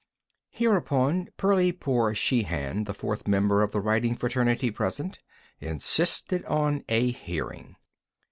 Hereupon, Perley Poore Sheehan, the fourth member of the writing fraternity present, insisted on a hearing.